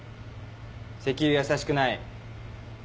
石油やさしくない？